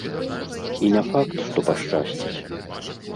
І не факт, што пашчасціць.